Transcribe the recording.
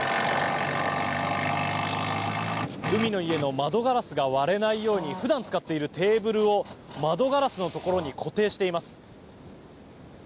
海の家の窓ガラスが割れないように普段使っているテーブルを窓ガラスのところに固定しています。